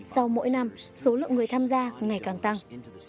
sau mỗi năm số lượng người tham gia ngày càng tăng